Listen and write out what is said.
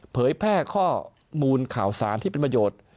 เผยแพร่ข้อมูลข่าวสารที่เป็นประโยชน์